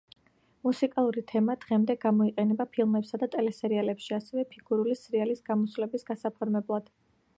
მუსიკალური თემა დღემდე გამოიყენება ფილმებსა და ტელესერიალებში, ასევე ფიგურული სრიალის გამოსვლების გასაფორმებლად.